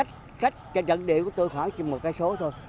cách trận địa của tôi khoảng một km